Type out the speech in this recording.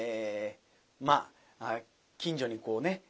まあ近所にこうね